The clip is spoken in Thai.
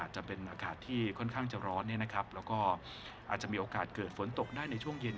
จะเป็นอากาศที่ค่อนข้างจะร้อนแล้วก็อาจจะมีโอกาสเกิดฝนตกได้ในช่วงเย็น